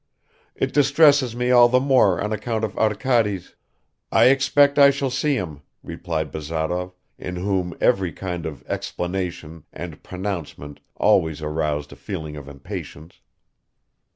It distresses me all the more on account of Arkady's ..." "I expect I shall see him," replied Bazarov, in whom every kind of "explanation" and "pronouncement" always aroused a feeling of impatience.